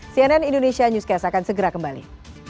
cnn indonesia newscast akan segera kembali